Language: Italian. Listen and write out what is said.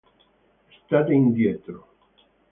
State indietro!